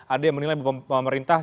ada yang menilai pemerintah ini